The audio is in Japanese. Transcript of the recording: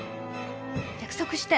約束して。